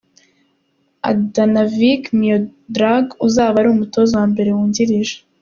Adanavic Miodrag uzaba ari umutoza wa mbere wungirije .